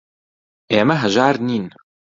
ئێمە هەژار نین.